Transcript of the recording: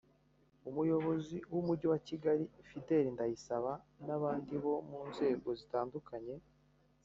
Umuyobozi w’Umujyi wa Kigali Fidèle Ndayisaba n’abandi bo mu nzego zitandukanye